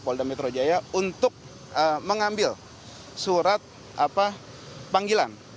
polda metro jaya untuk mengambil surat panggilan